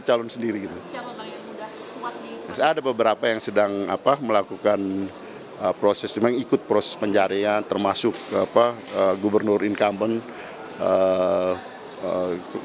ada beberapa yang sedang melakukan proses ikut proses penjaringan termasuk gubernur incumbent